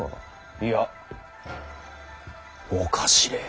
いやおかしれぇ。